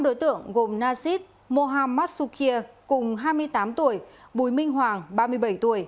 năm đối tượng gồm nasid mohamad sukhir cùng hai mươi tám tuổi bùi minh hoàng ba mươi bảy tuổi